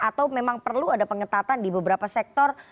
atau memang perlu ada pengetatan di beberapa sektor